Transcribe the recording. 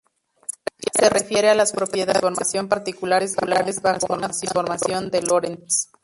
Se refiere a las propiedades de transformación particulares bajo una Transformación de Lorentz.